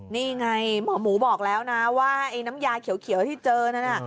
นี่ไงหมอหมูบอกแล้วนะว่าไอ้น้ำยาเขียวที่เจอนั่นน่ะ